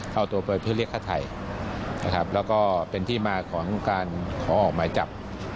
เอาตัวไปเพื่อเรียกฆ่าไทยนะครับแล้วก็เป็นที่มาของการขอออกหมายจับ